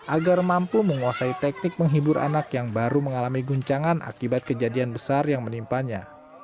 agar mampu menguasai teknik menghibur anak yang baru mengalami guncangan akibat kejadian besar yang menimpannya